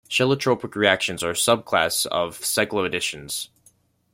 Cheletropic reactions are a subclass of cycloadditions.